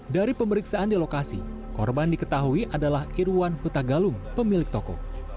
dari pemeriksaan di lokasi korban diketahui adalah irwan hutagalung pemilik toko